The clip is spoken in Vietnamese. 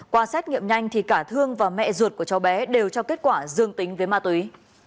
qua xét nghiệm nhanh thì cả thương và mẹ ruột của cháu bé đều cho kết quả dương tính với ma túy